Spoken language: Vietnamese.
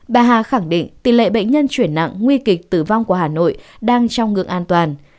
bà hà khẳng định tỷ lệ bệnh nhân chuyển nặng nguy kịch tử vong của hà nội đang trong ngưỡng an toàn